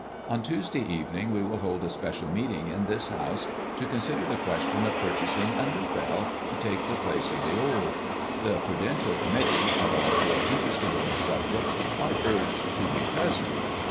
On Tuesday evening we will hold a special meeting in this house to consider the question of purchasing a new bell, to take the place of the old. The Prudential Committee, and all who are interested in the subject are urged to be present.